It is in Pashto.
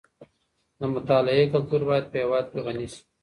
د مطالعې کلتور باید په هېواد کي غني سي.